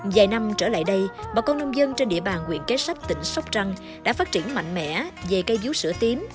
vài năm trở lại đây bà con nông dân trên địa bàn quyền cái sách tỉnh sóc trăng đã phát triển mạnh mẽ về cây bíu sữa tím